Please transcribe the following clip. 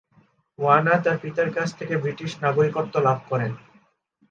ওয়ানা তার পিতার কাছ থেকে ব্রিটিশ নাগরিকত্ব লাভ করেন।